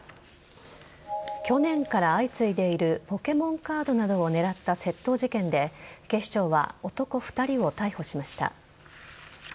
去年から相次いでいるポケモンカードなどを狙った窃盗事件で警視庁は男２人を逮捕しました。